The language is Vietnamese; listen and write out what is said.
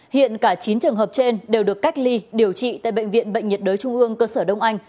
hiện cả chín trường hợp trên đều được cách ly điều trị tại bệnh viện bệnh nhiệt đới trung ương cơ sở đông anh